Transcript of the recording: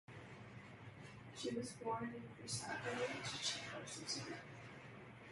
She was born in Brissago, Ticino, Switzerland.